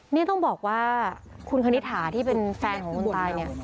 นี่ต้องบอกคุณคณิถาที่เป็นแฟนของน้องโต๊ะนี่